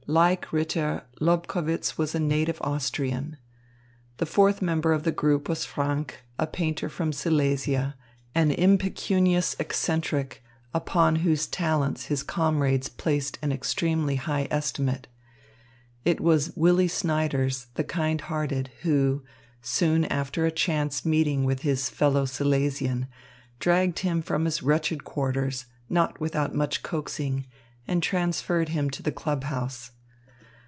Like Ritter, Lobkowitz was a native Austrian. The fourth member of the group was Franck, a painter from Silesia, an impecunious eccentric, upon whose talents his comrades placed an extremely high estimate. It was Willy Snyders the kind hearted who, soon after a chance meeting with his fellow Silesian, dragged him from his wretched quarters, not without much coaxing, and transferred him to the club house.